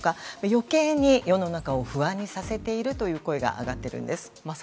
余計に世の中を不安にさせているという声が上がっているんです。